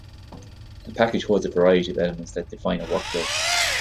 A package holds a variety of elements that define a workflow.